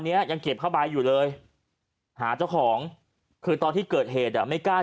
ยังเก็บผ้าใบอยู่เลยหาเจ้าของคือตอนที่เกิดเหตุอ่ะไม่กล้า